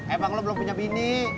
emang lo belum punya bini